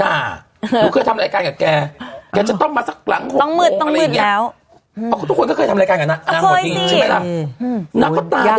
เราเคยทำรายการกับแกแกจะต้องมาสักหลังโฮงอะไรอย่างนี้ทุกคนก็เคยทำรายการกับน้ำห่วงจริงใช่ไหมล่ะ